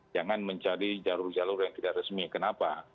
jangan mencari jalur jalur yang tidak resmi kenapa